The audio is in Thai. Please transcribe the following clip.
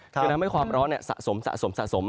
คือทำให้ความร้อนเนี่ยสะสม